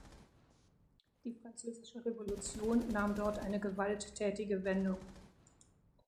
Die Französische Revolution nahm dort eine gewalttätige Wendung.